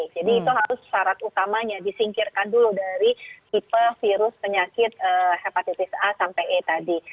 jadi itu harus syarat utamanya disingkirkan dulu dari tipe virus penyakit hepatitis a sampai e tadi